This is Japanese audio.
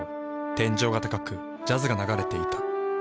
天井が高くジャズが流れていた。